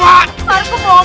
markum bobin kita bang